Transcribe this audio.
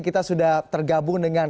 kita sudah tergabung dengan